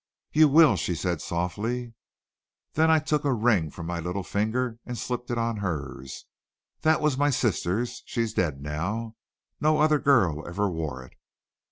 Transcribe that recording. "You will," she said softly. Then I took a ring from my little finger and slipped it on hers. "That was my sister's. She's dead now. No other girl ever wore it.